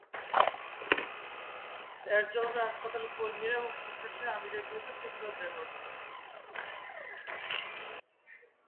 এর জবাবে হাসপাতালের কর্মীরা এবং শিক্ষার্থীরা আমিরের বিরুদ্ধে প্রতিবাদ রেকর্ড করে।